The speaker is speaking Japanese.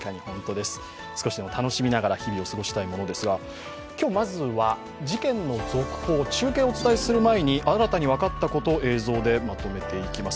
少しでも楽しみながら日々を過ごしたいものですが、今日、まずは事件の続報、中継をお伝えする前に新たに分かったことを映像でまとめていきます。